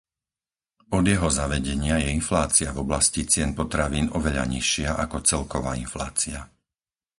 Od jeho zavedenia je inflácia v oblasti cien potravín oveľa nižšia ako celková inflácia.